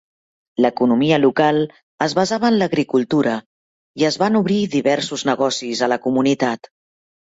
L'economia local es basava en l'agricultura i es van obrir diversos negocis a la comunitat.